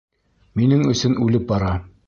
Минең өсөн үлеп бара.